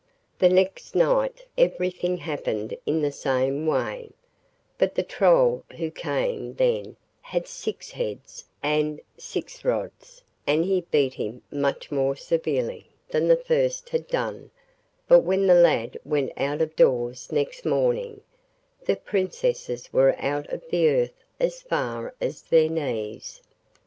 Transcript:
The next night everything happened in the same way, but the Troll who came then had six heads and six rods, and he beat him much more severely than the first had done but when the lad went out of doors next morning, the Princesses were out of the earth as far as their knees.